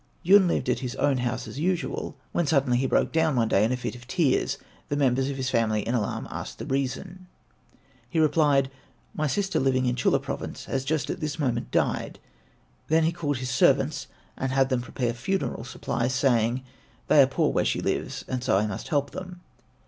Yun lived at his own house as usual, when suddenly he broke down one day in a fit of tears. The members of his family in alarm asked the reason. He replied, "My sister living in Chulla Province has just at this moment died." He then called his servants, and had them prepare funeral supplies, saying, "They are poor where she lives, and so I must help them."